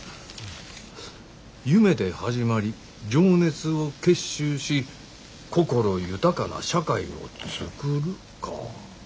「夢で始まり情熱を結集しこころ豊かな社会をつくる」か。